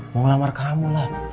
mau ngelamar kamu lah